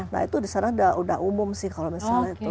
nah itu di sana sudah umum sih kalau misalnya itu